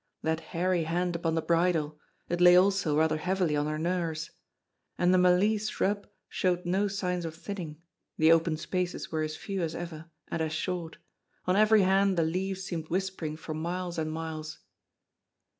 That hairy hand upon the bridle, it lay also rather heavily on her nerves. And the mallee shrub showed no signs of thinning; the open spaces were as few as ever, and as short; on every hand the leaves seemed whispering for miles and miles.